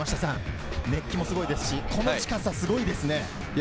熱気もすごいですし、この近さ、すごいですね！